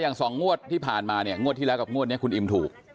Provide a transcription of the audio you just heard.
อย่างสองงวดที่ผ่านมางวดที่แล้วกับงวดนี้คุณอิ่มถูก